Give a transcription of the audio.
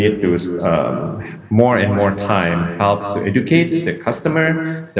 pembeli dan juga untuk memberikan perhatian tentang apa apa yang terkait dengan tanggung jawab dan resolusi